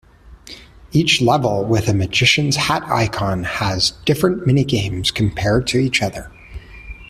Each level with a magician's hat icon has different mini-games compared to each other.